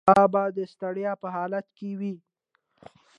هغه به د ستړیا په حالت کې وي.